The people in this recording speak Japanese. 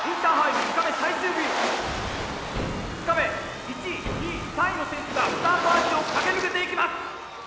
２日目１位２位３位の選手がスタートアーチを駆け抜けていきます！